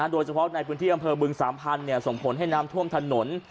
โดยเฉพาะในพื้นที่ังเทอมเวลบึงสามพันธมส่งผลให้น้ำท่วมถนน